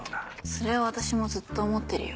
それは私もずっと思ってるよ